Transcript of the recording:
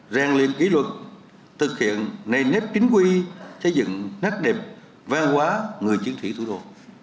rèn luyện kỷ luật thực hiện nền nếp chính quy xây dựng nách đẹp vang hóa người chiến thủy thủ đô